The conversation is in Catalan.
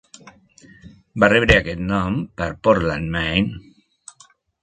Va rebre aquest nom per Portland, Maine.